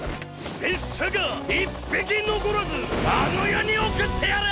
拙者が一匹のこらずあの世に送ってやる！